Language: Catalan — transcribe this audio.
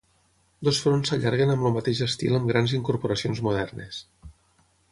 Dos fronts s'allarguen amb el mateix estil amb grans incorporacions modernes.